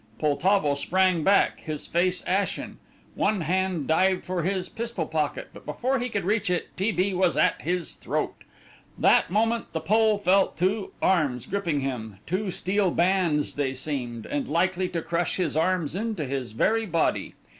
Poltavo sprang back, his face ashen. One hand dived for his pistol pocket, but before he could reach it T. B. was at his throat. That moment the Pole felt two arms gripping him, two steel bands they seemed, and likely to crush his arms into his very body.